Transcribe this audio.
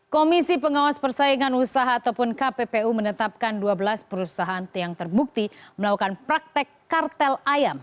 komisi pengawas persaingan usaha ataupun kppu menetapkan dua belas perusahaan yang terbukti melakukan praktek kartel ayam